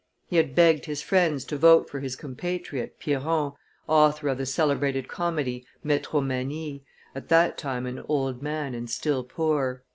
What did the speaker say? He had begged his friends to vote for his compatriot, Piron, author of the celebrated comedy Metromanie, at that time an old man and still poor.